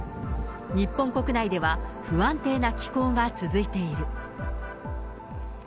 日本国内では、不安定な気候が続いている。